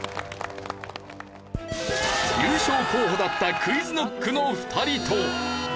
優勝候補だったＱｕｉｚＫｎｏｃｋの２人と。